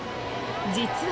実は